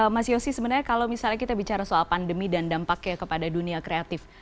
mas yosi sebenarnya kalau misalnya kita bicara soal pandemi dan dampaknya kepada dunia kreatif